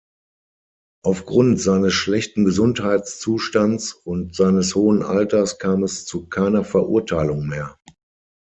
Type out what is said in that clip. Aufgrund seines schlechten Gesundheitszustands und seines hohen Alters kam es zu keiner Verurteilung mehr.